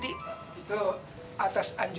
itu atas anjur